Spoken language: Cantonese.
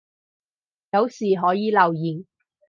有事可以留言